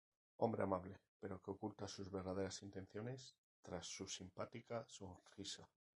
Hombre amable, pero que oculta sus verdaderas intenciones tras su simpática sonrisa.